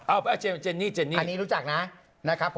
อันนี้รู้จักนะ